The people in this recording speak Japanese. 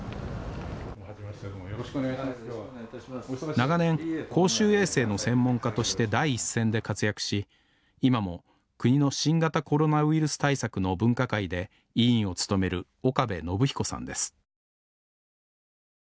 長年公衆衛生の専門家として第一線で活躍し今も国の新型コロナウイルス対策の分科会で委員を務める岡部信彦さんです